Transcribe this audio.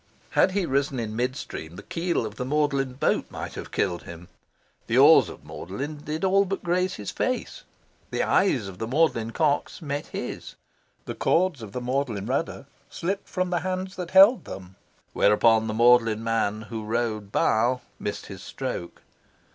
Had he risen in mid stream, the keel of the Magdalen boat might have killed him. The oars of Magdalen did all but graze his face. The eyes of the Magdalen cox met his. The cords of the Magdalen rudder slipped from the hands that held them; whereupon the Magdalen man who rowed "bow" missed his stroke.